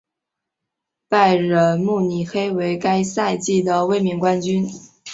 拜仁慕尼黑为该赛季的卫冕冠军。